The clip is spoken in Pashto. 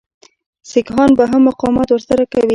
سیکهان به هم مقاومت ورسره کوي.